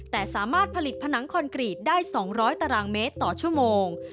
แต่สามารถผลิตผนังคอนกรีตได้๒๐๐ตารางเมตรต่อชั่วโมง